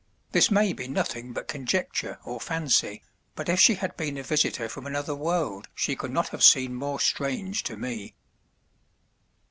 This may be nothing but conjecture or fancy, but if she had been a visitor from another world she could not have seemed more strange to me.